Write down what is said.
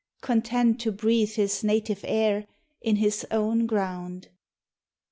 Content to breathe his native air In his own ground.